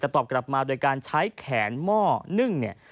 ตอบกลับมาโดยการใช้แขนหม้อนึ่งเนี่ย